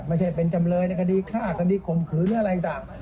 ไม่ใช่เป็นจำเลยในคณะดีค่าคณะดีขมขือเนื้ออะไรต่าง